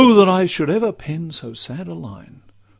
that I should ever pen so sad a line!